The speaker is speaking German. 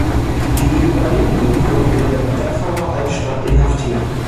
Die Überlebenden wurden in der Dachauer Altstadt inhaftiert.